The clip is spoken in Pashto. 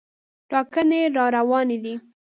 ټاکنې راروانې دي.